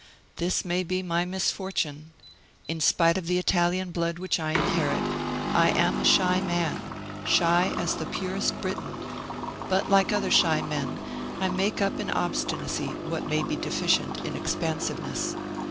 This may be my misfortune. In spite of the Italian blood which I inherit, I am a shy man shy as the purest Briton. But, like other shy men, I make up in obstinacy what may be deficient in expansiveness.